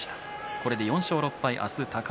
これで４勝６敗。